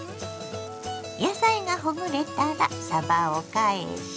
野菜がほぐれたらさばを返し